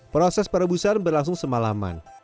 proses perebusan berlangsung semalaman